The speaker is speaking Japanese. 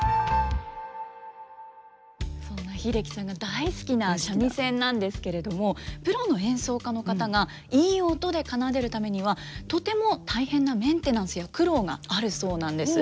そんな英樹さんが大好きな三味線なんですけれどもプロの演奏家の方がいい音で奏でるためにはとても大変なメンテナンスや苦労があるそうなんです。